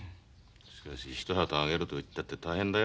しかし一旗揚げるといったって大変だよ。